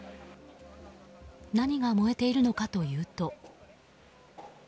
何が燃えているのかというと。